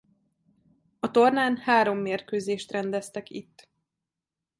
A tornán három mérkőzést rendeztek itt.